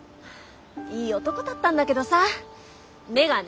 いい男だったんだけどさ目がね。